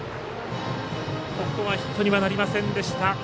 ここはヒットにはなりませんでした。